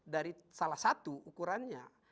dari salah satu ukurannya